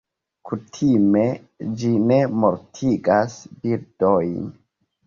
Kutime ĝi ne mortigas birdojn.